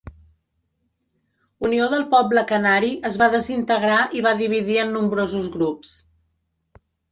Unió del Poble Canari es va desintegrar i va dividir en nombrosos grups.